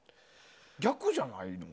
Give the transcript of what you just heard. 逆じゃないの？